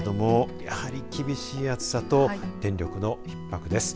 やはり厳しい暑さと電力のひっ迫です。